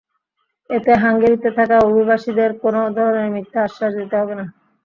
এতে হাঙ্গেরিতে থাকা অভিবাসীদের কোনো ধরনের মিথ্যা আশ্বাস দিতে হবে না।